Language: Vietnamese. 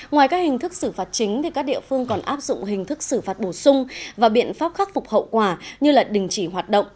ngoài các hình thức xử phạt chính các địa phương còn áp dụng hình thức xử phạt bổ sung và biện pháp khắc phục hậu quả như đình chỉ hoạt động